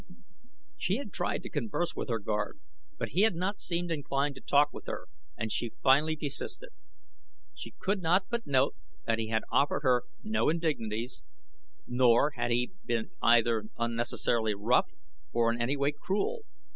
She had tried to converse with her guard but he had not seemed inclined to talk with her and she had finally desisted. She could not but note that he had offered her no indignities, nor had he been either unnecessarily rough or in any way cruel.